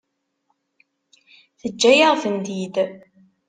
Teǧǧa-yaɣ-tent-id.